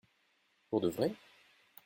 Pour de vrai ?